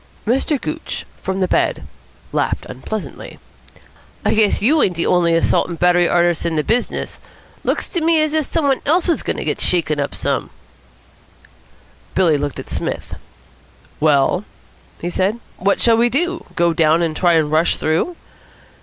Mr. Gooch, from the bed, laughed unpleasantly. "I guess you ain't the only assault and battery artists in the business," he said. "Looks to me as if some one else was going to get shaken up some." Billy looked at Psmith. "Well?" he said. "What shall we do? Go down and try and rush through?"